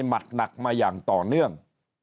หัดหนักมาอย่างต่อเนื่อง